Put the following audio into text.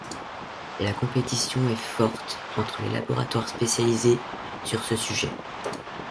La compétition est forte entre les laboratoires spécialisés sur ce sujet.